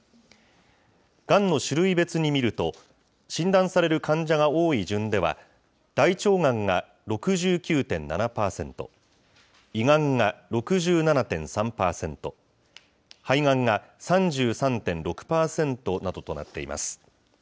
がんの種類別に見ると、診断される患者が多い順では、大腸がんが６９．７％、胃がんが６７．３％、肺がんが３３．６％などとなっています。